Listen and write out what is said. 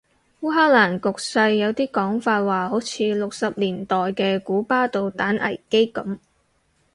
烏克蘭局勢有啲講法話好似六十年代嘅古巴導彈危機噉